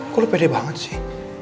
kok lo pede banget sih